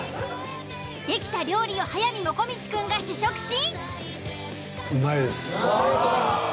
出来た料理を速水もこみちくんが試食し。